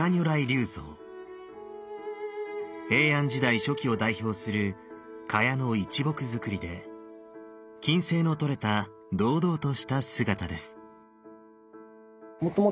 平安時代初期を代表する榧の一木造りで均斉の取れた堂々とした姿です。